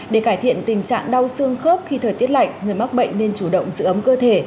để cải thiện tình trạng đau xương khớp khi thời tiết lạnh người mắc bệnh nên chủ động giữ ấm cơ thể